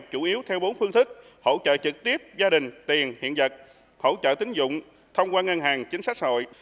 chủ yếu theo bốn phương thức hỗ trợ trực tiếp gia đình tiền hiện vật hỗ trợ tính dụng thông qua ngân hàng chính sách hội